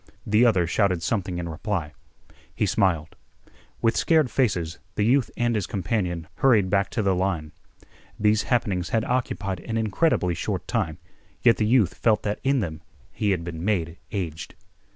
The other shouted something in reply. He smiled. With scared faces, the youth and his companion hurried back to the line. These happenings had occupied an incredibly short time, yet the youth felt that in them he had been made aged.